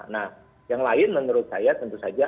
nah yang lain menurut saya tentu saja